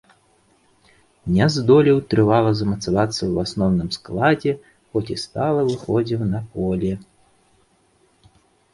Не здолеў трывала замацавацца ў асноўным складзе, хоць і стала выхадзіў на поле.